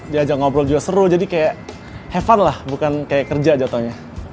dia ajak ngobrol juga seru jadi kayak have fun lah bukan kayak kerja jatohnya